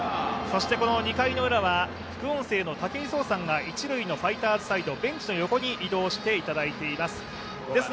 ２回ウラは副音声の武井壮さんが一塁のファイターズサイドベンチの横に移動していただいています。